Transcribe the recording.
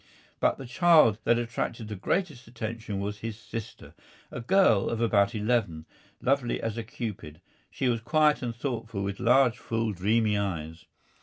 But the child that attracted the greatest attention was his sister, a girl of about eleven, lovely as a Cupid. She was quiet and thoughtful, with large, full, dreamy eyes.